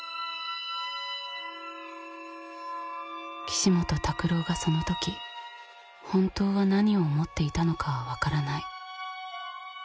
岸本拓朗がそのとき本当は何を思っていたのかはわからない。